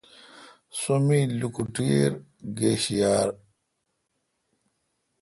سو می لوکوٹییر گش یار۔